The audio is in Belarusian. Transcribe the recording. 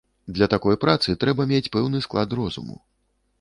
Для такой працы трэба мець пэўны склад розуму.